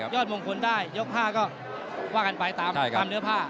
มงคลได้ยก๕ก็ว่ากันไปตามเนื้อผ้า